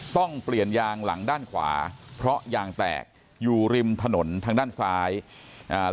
ต้องเปลี่ยนยางหลังด้านขวาเพราะยางแตกอยู่ริมถนนทางด้านซ้ายอ่า